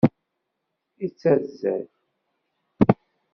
Yettazzal.